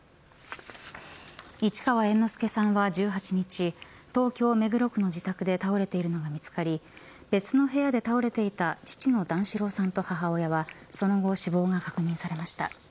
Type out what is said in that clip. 市川猿之助さんは１８日東京、目黒区の自宅で倒れているのが見つかり別の部屋で倒れていた父の段四郎さんと母親はその後、死亡が確認されました。